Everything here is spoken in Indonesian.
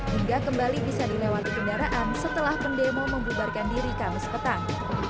hingga kembali bisa dilewati kendaraan setelah pendemo membubarkan diri kamis petang